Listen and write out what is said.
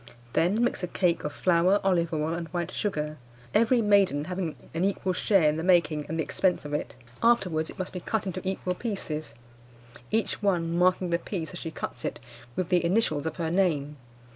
Then mix a cake of flour, olive oil, and white sugar; every maiden having an equal share in the making and the expense of it. Afterwards it must be cut into equal pieces, each one marking the piece as she cuts it with the initials of her name.